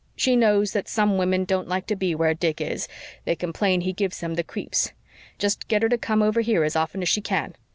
She knows that some women don't like to be where Dick is they complain he gives them the creeps. Just get her to come over here as often as she can.